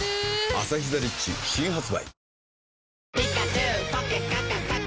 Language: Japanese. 「アサヒザ・リッチ」新発売